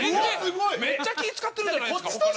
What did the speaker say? めっちゃ気ぃ使ってるじゃないですか他の人に。